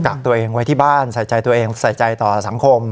กักตัวเองไว้ที่บ้านใส่ใจตัวเองใส่ใจต่อสังคม